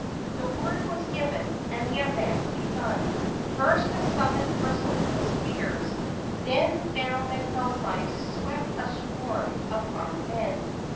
The word was given, and the advance began. First the summit bristled with spears, then down the hillsides swept a swarm of armed men.